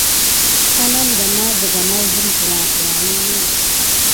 Eritudi ho siga nasim mà taïɓa vaki ninet ba ha da ki kumda sinani.